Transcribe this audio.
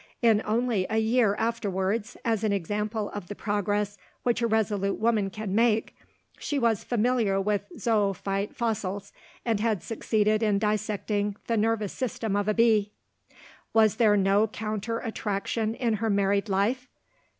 In only a year afterwards as an example of the progress which a resolute woman can make she was familiar with zoophyte fossils, and had succeeded in dissecting the nervous system of a bee. Was there no counter attraction in her married life?